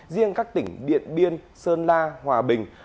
riêng các tỉnh biện biên sơn la hòa bình